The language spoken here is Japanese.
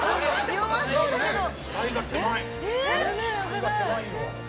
額が狭いよ。